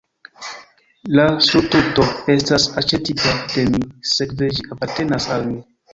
La surtuto estas aĉetita de mi, sekve ĝi apartenas al mi.